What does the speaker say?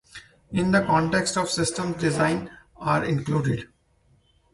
In the context of systems, designs are included.